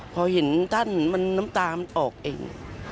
พอเห็นท่านมันน้ำตามันออกเอง